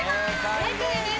正解です。